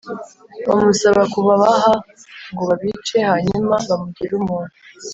bamusaba kubabaha ngo babice hanyuma bamugire umuntu